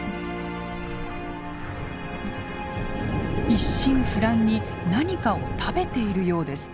一心不乱に何かを食べているようです。